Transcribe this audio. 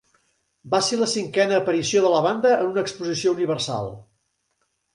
Va ser la cinquena aparició de la banda a una Exposició Universal.